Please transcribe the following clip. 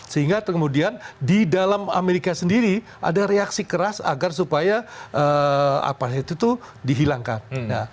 sehingga kemudian di dalam amerika sendiri ada reaksi keras agar supaya apa itu dihilangkan